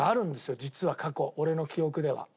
実は過去俺の記憶では。